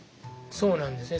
そうなんですね